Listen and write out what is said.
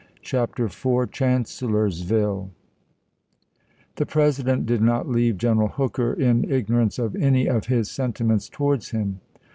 CHAPTEE IV CHANCELLORSVILLE THE President did not leave General Hooker in chap. iv. ignorance of any of his sentiments towards him.